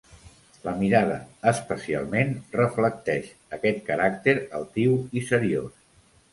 La mirada, especialment, reflecteix aquest caràcter altiu i seriós.